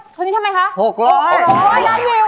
คนนี้ทำไมคะ๖๐๐๖๐๐นี่